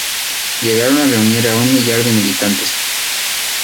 Llegaron a reunir a un millar de militantes.